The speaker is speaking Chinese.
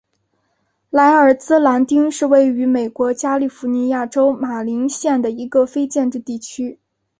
莱尔兹兰丁是位于美国加利福尼亚州马林县的一个非建制地区。